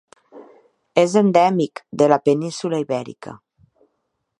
És endèmic de la península Ibèrica.